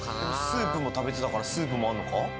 スープも食べてたからスープもあんのか？